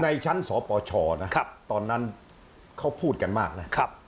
ในชั้นสปชนะตอนนั้นเขาพูดกันมากนะ